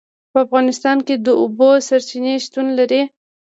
په افغانستان کې د اوبو سرچینې شتون لري.